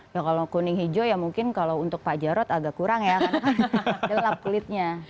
ya kalau kuning hijau ya mungkin kalau untuk pak jarod agak kurang ya karena kan gelap kulitnya